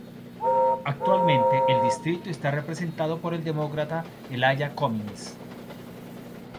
Actualmente el distrito está representado por el demócrata Elijah Cummings.